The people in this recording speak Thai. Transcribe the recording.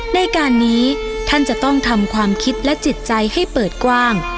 ในการนี้ท่านจะต้องทำความคิดและจิตใจให้เปิดกว้าง